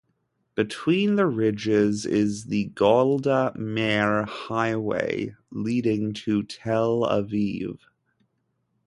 Between the ridges is the Golda Meir highway, leading to Tel Aviv.